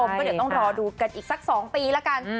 ก็เดี๋ยวต้องรอดูกันอีกสัก๒ปีแล้วกัน